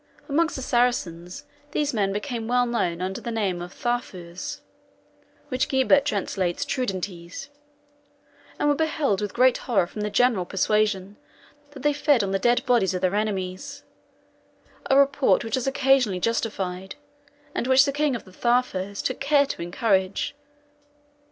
Amongst the Saracens these men became well known under the name of THAFURS (which Guibert translates TRUDENTES), and were beheld with great horror from the general persuasion that they fed on the dead bodies of their enemies; a report which was occasionally justified, and which the king of the Thafurs took care to encourage.